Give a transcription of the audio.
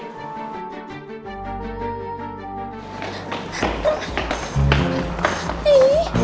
gua harus terus selidikin masalah ini